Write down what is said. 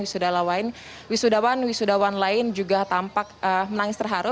datang kerabat brigadir jaya yang datang tetapi juga wisudawan wisudawan lain juga tampak menangis terharu